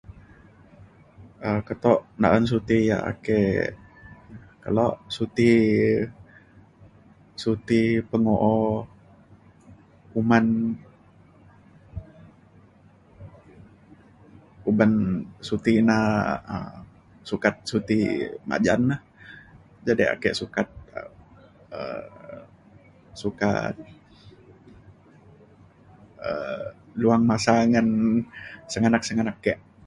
um keto na’an suti yak ake kelo suti suti pemu’o uman uban suti na um sukat suti majan lah jadek ake sukat um sukat um luang masa ngan sengganak sengganak ke.